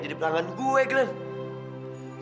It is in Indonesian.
ada apa deh yani